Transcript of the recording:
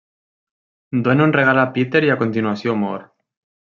Dóna un regal a Peter i a continuació mor.